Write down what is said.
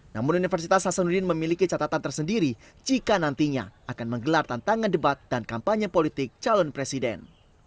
namun universitas hasanuddin memiliki catatan tersendiri jika nantinya akan menggelar tantangan debat dan kampanye politik calon presiden